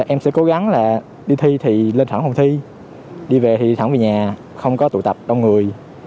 em sẽ cố gắng là đi thi thì lên thẳng không thi đi về thì đi thẳng về nhà không có tụ tập đông người